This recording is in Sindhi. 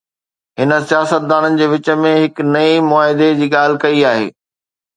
هن سياستدانن جي وچ ۾ هڪ نئين معاهدي جي ڳالهه ڪئي آهي.